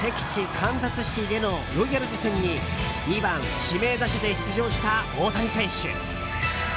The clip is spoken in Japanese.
カンザスシティーでのロイヤルズ戦に２番指名打者で出場した大谷選手。